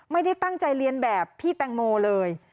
ไม่ได้ตั้งใจเรียนแบบพี่แตงโมเลย